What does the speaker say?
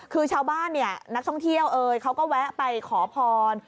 คือชาวบ้านเนี่ยนักท่องเที่ยวเอ่ยเขาก็แวะไปขอพร